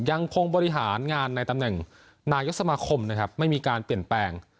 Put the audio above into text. ยังคงบริหารงานในตำแหน่งนายกสมาคมนะครับไม่มีการเปลี่ยนแปลง